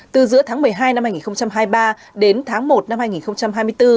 từ giữa tháng một mươi hai năm hai nghìn hai mươi ba đến tháng một năm hai nghìn hai mươi bốn